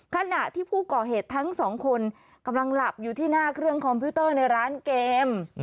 ขณะที่ผู้ก่อเหตุทั้งสองคนกำลังหลับอยู่ที่หน้าเครื่องคอมพิวเตอร์ในร้านเกม